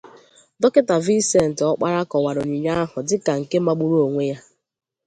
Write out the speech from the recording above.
Dọkịta Vincent Okpala kọwara onyinye ahụ dịka nke magburu onwe ya